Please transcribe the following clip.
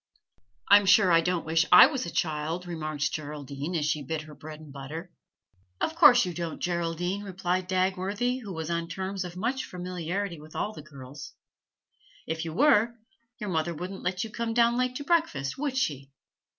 'I'm sure I don't wish I was a child,' remarked Geraldine, as she bit her bread and butter. 'Of course you don't, Geraldine,' replied Dagworthy, who was on terms of much familiarity with all the girls. 'If you were, your mother wouldn't let you come down late to breakfast, would she?'